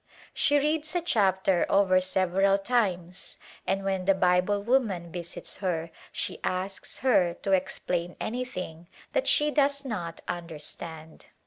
She reads a chapter over several times and when the Bible woman visits her she asks her to explain anything that she does not understand.